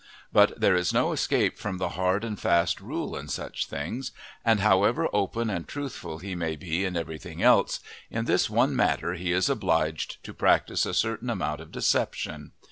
But there is no escape from the hard and fast rule in such things, and however open and truthful he may be in everything else, in this one matter he is obliged to practise a certain amount of deception.